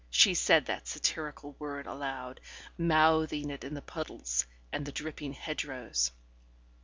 (She said that satirical word aloud, mouthing it to the puddles and the dripping hedgerows.)